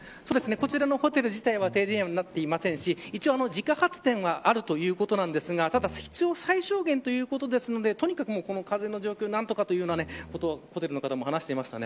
こちらのホテル自体は停電にはなっておらず自家発電はあるということですが必要最小限ということですのでとにかく、この風の状況が何とかということはホテルの方も話していました。